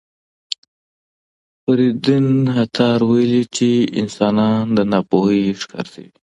فریدالدین عطار ویلي چې انسانان د ناپوهۍ ښکار شوي.